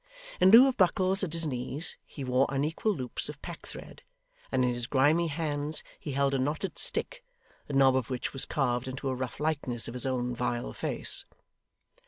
In lieu of buckles at his knees, he wore unequal loops of packthread; and in his grimy hands he held a knotted stick, the knob of which was carved into a rough likeness of his own vile face.